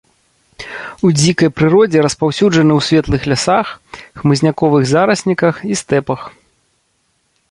У дзікай прыродзе распаўсюджаны ў светлых лясах, хмызняковых зарасніках і стэпах.